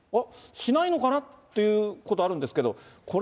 しないのかなということがあるんですけど、これ。